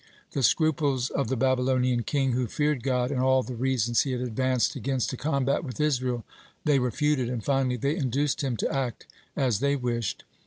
The scruples of the Babylonian king, who feared God, and all the reasons he advanced against a combat with Israel, they refuted, and finally they induced him to act as they wished.